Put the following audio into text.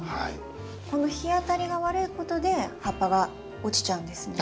この日当たりが悪いことで葉っぱが落ちちゃうんですね？